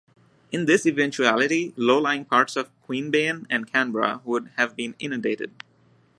In this eventuality low lying parts of Queanbeyan and Canberra would have been inundated.